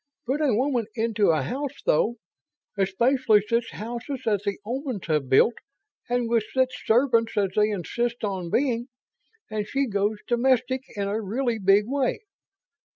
Put a woman into a house, though especially such houses as the Omans have built and with such servants as they insist on being and she goes domestic in a really big way.